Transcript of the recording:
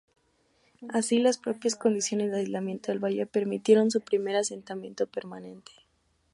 Así, las propias condiciones de aislamiento del valle permitieron su primer asentamiento permanente.